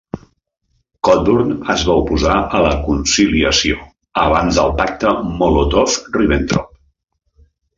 Cockburn es va oposar a la conciliació abans del Pacte Molotov-Ribbentrop.